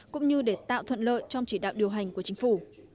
cũng như để tạo thuận lợi trong chỉ đạo điều hành của chính phủ